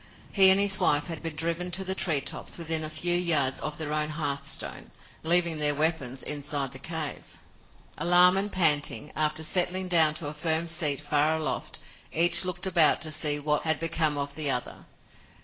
He and his wife had been driven to the treetops within a few yards of their own hearthstone, leaving their weapons inside their cave! Alarmed and panting, after settling down to a firm seat far aloft, each looked about to see what had become of the other.